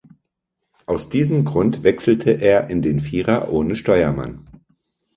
Aus diesem Grund wechselte er in den Vierer ohne Steuermann.